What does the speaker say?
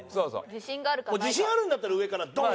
自信あるんだったら上からドーン！